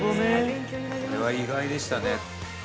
◆これは意外でしたね。